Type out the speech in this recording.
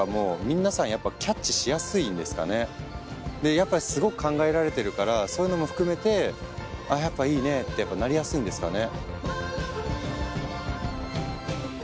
やっぱりすごく考えられてるからそういうのも含めてあぁやっぱいいねってなりやすいんですかね。